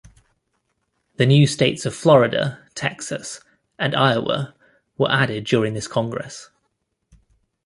The new states of Florida, Texas and Iowa were added during this Congress.